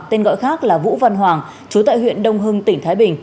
tên gọi khác là vũ văn hoàng chú tại huyện đông hưng tỉnh thái bình